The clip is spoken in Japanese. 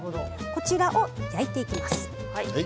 こちらを焼いていきます。